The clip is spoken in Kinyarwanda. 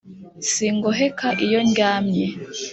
singoheka iyo ndyamye